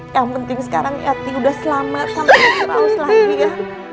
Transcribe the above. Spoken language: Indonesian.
yang penting sekarang yati udah selamat sampai maus lagi ya